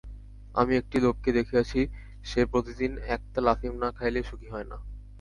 আমি একটি লোককে দেখিয়াছি, সে প্রতিদিন একতাল আফিম না খাইলে সুখী হয় না।